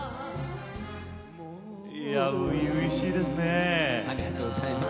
初々しいですね。